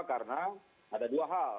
karena ada dua hal